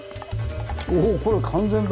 おおこれ完全だ。